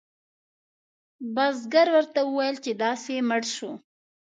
بزګر ورته وویل چې داسې مړ شو.